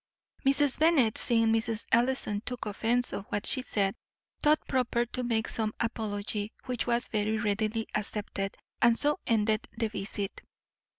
Mrs. Bennet, seeing Mrs. Ellison took offence at what she said, thought proper to make some apology, which was very readily accepted, and so ended the visit.